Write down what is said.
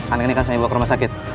aneh ini kan saya bawa ke rumah sakit